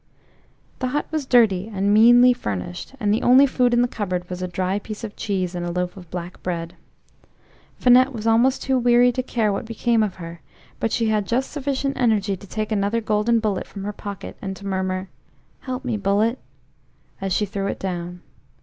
The hut was dirty, and meanly furnished, and the only food in the cupboard was a dry piece of cheese and a loaf of black bread. Finette was almost too weary to care what became of her, but she had just sufficient energy to take another golden bullet from her pocket and to murmur, "Help me, bullet!" as she threw it down.